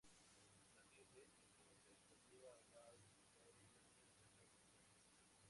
Mathilde, entonces, volvió al lado de su padre y ambos regresaron a Francia.